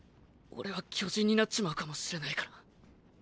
オレは巨人になっちまうかもしれないから。